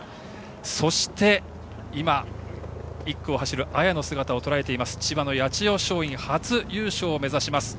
そして、１区を走る綾の姿をとらえていましたが千葉の八千代松陰初優勝を目指します。